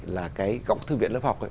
là cái góc thư viện lớp học ấy